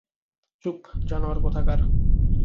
চুপ, জানোয়ার কোথাকার!